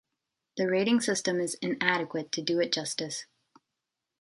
The rating system is inadequate to do it justice.